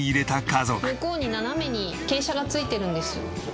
向こうに斜めに傾斜がついてるんですよ。